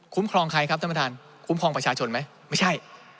ครองใครครับท่านประธานคุ้มครองประชาชนไหมไม่ใช่